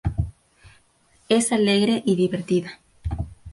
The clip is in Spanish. Es alegre y divertida.